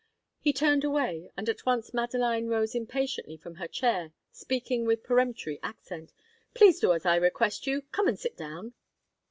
He turned away, and at once Madeline rose impatiently from her chair, speaking with peremptory accent. "Please do as I request you! Come and sit down."